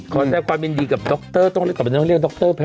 ขอแทบความยินดีกับดรต้องเรียกว่าดรแพนเค้กเนอะ